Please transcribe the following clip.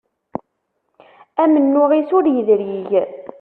Amennuɣ-is ur yedrig.